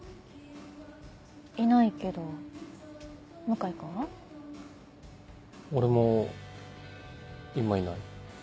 いないけど向井君は？俺も今いない。